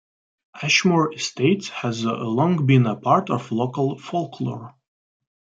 Ashmore Estates has long been a part of local folklore.